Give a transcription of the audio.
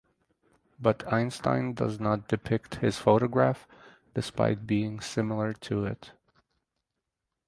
But Einstein does not depict his photograph despite being similar to it.